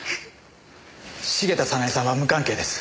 茂田早奈江さんは無関係です。